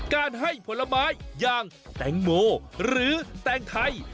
การให้ผลไม้อย่างแตงโมหรือแตงไทย